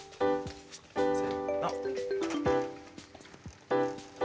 せの。